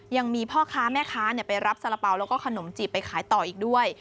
ยังมีพ่อค้าแม่ค้าไปรับสาระเป๋าแล้วก็ขนมจีบไปขายต่ออีกด้วย